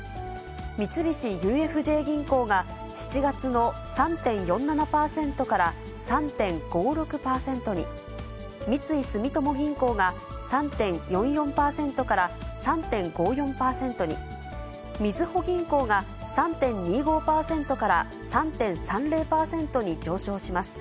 三菱ＵＦＪ銀行が７月の３．４７％から３．５６％に、三井住友銀行が３．４４％から３．５４％に、みずほ銀行が３．２５％から３．３０％に上昇します。